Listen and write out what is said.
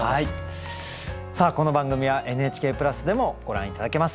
さあこの番組はＮＨＫプラスでもご覧頂けます。